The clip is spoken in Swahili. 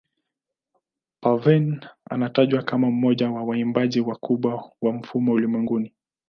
Parveen anatajwa kama mmoja wa waimbaji wakubwa wa fumbo ulimwenguni.